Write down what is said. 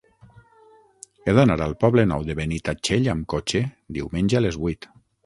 He d'anar al Poble Nou de Benitatxell amb cotxe diumenge a les vuit.